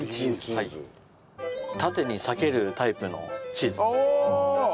縦にさけるタイプのチーズです。